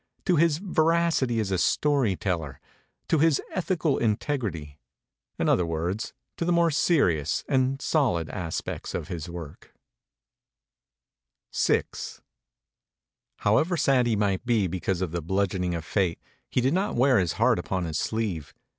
to ity as a story teller, and to his ethical integrity in other word to the more s and solid aspects of his work. MEMORIES OF MARK TWAIN VI HOWEVER sad he might be because of the bludgeoning of fate, he did not wear his heart upon his sleeve.